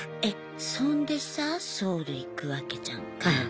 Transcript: そんでさソウル行くわけじゃんか。